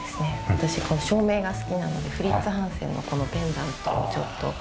私照明が好きなのでフリッツ・ハンセンのこのペンダントをちょっと。